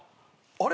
あれ？